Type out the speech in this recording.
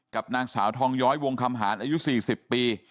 กับนางสาวทองย้อยวงคำหารอายุ๔๐ปี